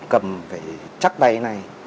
cầm phải chắc tay này